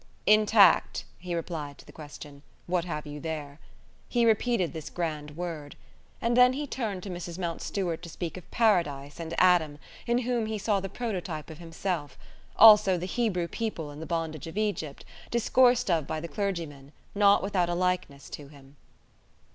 "Intact," he replied to the question: "What have you there?" He repeated this grand word. And then he turned to Mrs. Mountstuart to speak of Paradise and Adam, in whom he saw the prototype of himself: also the Hebrew people in the bondage of Egypt, discoursed of by the clergymen, not without a likeness to him.